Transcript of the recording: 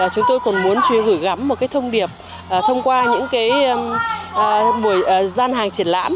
chúng tôi còn muốn gửi gắm một thông điệp thông qua những gian hàng triển lãm